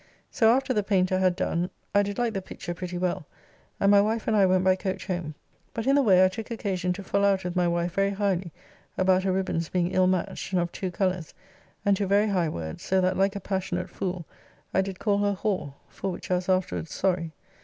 So after the Paynter had done I did like the picture pretty well, and my wife and I went by coach home, but in the way I took occasion to fall out with my wife very highly about her ribbands being ill matched and of two colours, and to very high words, so that, like a passionate fool, I did call her whore, for which I was afterwards sorry.